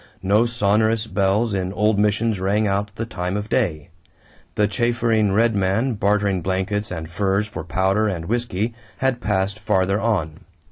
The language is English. No sonorous bells in old missions rang out the time of day. The chaffering Red Man bartering blankets and furs for powder and whisky had passed farther on.